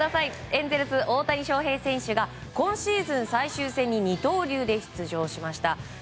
エンゼルス、大谷翔平選手が今シーズン最終戦に二刀流で出場しました。